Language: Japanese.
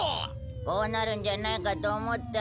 こうなるんじゃないかと思った。